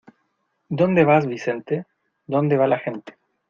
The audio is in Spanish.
¿Dónde vas Vicente?, donde va la gente.